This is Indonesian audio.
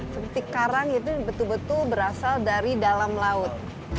seperti karang itu betul betul berasal dari dalam laut